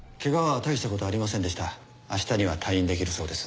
明日には退院できるそうです。